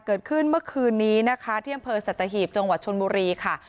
เกิดขึ้นเมื่อคืนนี้นะคะที่อำเภอสัตหีบจังหวัดชนบุรีค่ะ